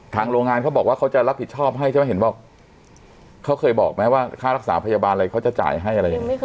โรงงานเขาบอกว่าเขาจะรับผิดชอบให้ใช่ไหมเห็นบอกเขาเคยบอกไหมว่าค่ารักษาพยาบาลอะไรเขาจะจ่ายให้อะไรอย่างนี้